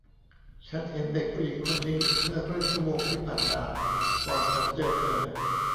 ฉันเห็นเด็กหญิงคนนี้เมื่อครึ่งชั่วโมงที่ผ่านมาก่อนฉันเจอเธอ